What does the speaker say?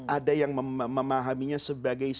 ada yang memahaminya sebagai